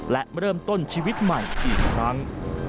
และเริ่มต้นชีวิตใหม่อีกครั้ง